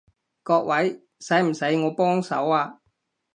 各位，使唔使我幫手啊？